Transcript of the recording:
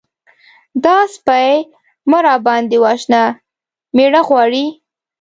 _دا سپۍ مه راباندې وژنه! مېړه غواړي.